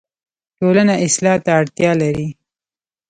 ټولنه اصلاح ته اړتیا لري